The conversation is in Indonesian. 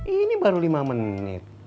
ini baru lima menit